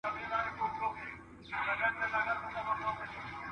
زه اوږده وخت زده کړه کوم؟!